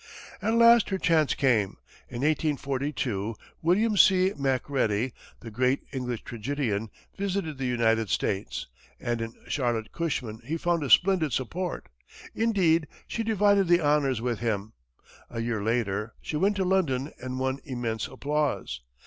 At last her chance came. In 1842, William C. Macready, the great English tragedian, visited the United States, and in Charlotte Cushman he found a splendid support. Indeed, she divided the honors with him. A year later, she went to London and won immense applause.